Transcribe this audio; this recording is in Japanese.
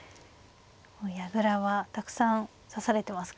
矢倉はたくさん指されてますからね。